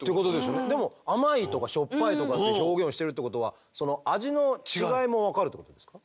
でも甘いとかしょっぱいとかって表現をしてるってことはその味の違いも分かるってことですか？